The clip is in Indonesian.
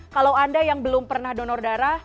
kalau anda yang belum pernah donor darah